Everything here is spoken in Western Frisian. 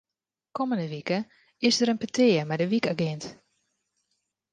Kommende wike is der in petear mei de wykagint.